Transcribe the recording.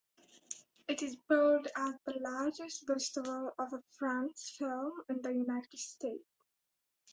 It is billed as the largest festival of French film in the United States.